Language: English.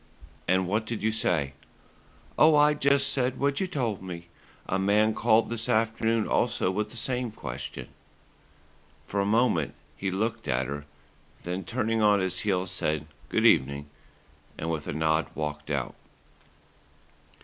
"And what did you say?" "Oh, I just said what you told me. A man called this afternoon also with the same question." For a moment he looked at her, then turning on his heel said "good evening," and with a nod walked out.